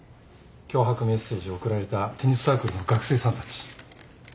脅迫メッセージを送られたテニスサークルの学生さんたち。